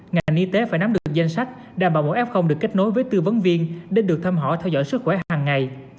ngành y tế phải nắm được danh sách đảm bảo mỗi f được kết nối với tư vấn viên để được thăm hỏi theo dõi sức khỏe hàng ngày